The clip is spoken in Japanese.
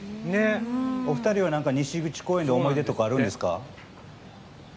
お二人は西口公園の思い出とかあるんですか？